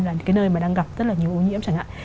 là những cái nơi mà đang gặp rất là nhiều ô nhiễm chẳng hạn